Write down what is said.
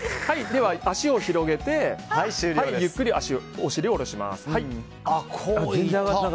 足を広げてゆっくりお尻を下します。